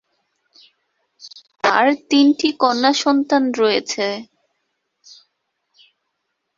তার তিনটি কন্যা সন্তান রয়েছে।